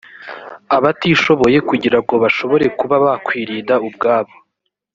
abatishoboye kugira ngo bashobore kuba bakwirinda ubwabo